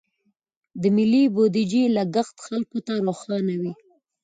د ملي بودیجې لګښت خلکو ته روښانه وي.